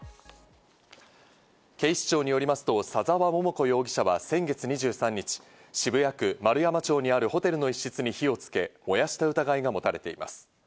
警視庁によりますと左沢桃子容疑者は先月２３日、渋谷区円山町にあるホテルの一室に火をつけ、燃やした疑いが持たれています。